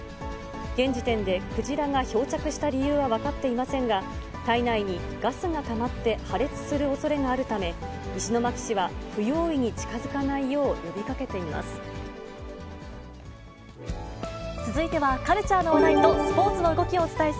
現時点でクジラが漂着した理由は分かっていませんが、体内にガスがたまって破裂するおそれがあるため、石巻市は不用意に近づかないよう呼びかけています。